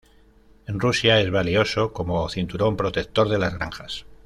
En Rusia, es valioso como cinturón protector de las granjas.